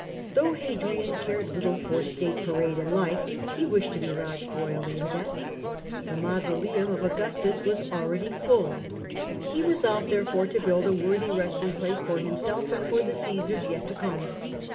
Though Hadrian cared little for state parade in life, he wished to be lodged royally in death. The mauso The mauso of Augustus was already full ; he re leumpf solved therefore to build a worthy resting Uadrian. place for himself and for the Caesars yet to come.